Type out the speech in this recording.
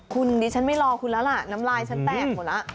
คุณดิฉันไม่รอคุณแล้วล่ะน้ำลายฉันแตกหมดแล้ว